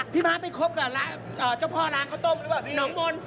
พี่ม้าไปคบกับเจ้าพ่อร้านเขาต้มหรือเปล่าพี่